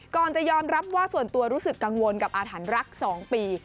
ก่อนจะยอมรับว่าส่วนตัวรู้สึกกังวลกับอาถรรพ์รัก๒ปี